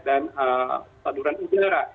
dan saluran udara